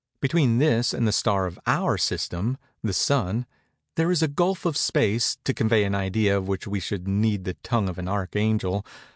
Between this and the star of our system, (the Sun,) there is a gulf of space, to convey any idea of which we should need the tongue of an archangel.